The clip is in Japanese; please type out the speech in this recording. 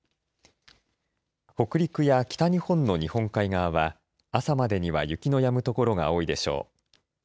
北陸や北日本の日本海側は朝までには雪のやむ所が多いでしょう。